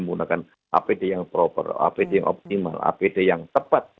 menggunakan apd yang proper apd yang optimal apd yang tepat